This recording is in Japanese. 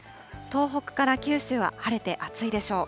東北から九州は晴れて暑いでしょう。